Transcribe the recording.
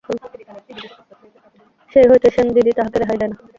সেই হইতে সেনদিদি তাহাকে রেহাই দেয় না।